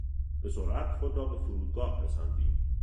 به سرعت خود را به فرودگاه رساندیم.